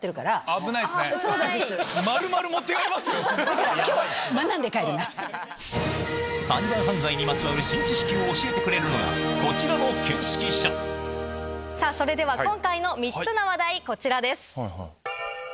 サイバー犯罪にまつわる新知識を教えてくれるのが、それでは今回の３つの話題、こちらです。